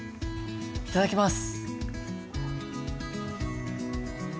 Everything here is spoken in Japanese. いただきます。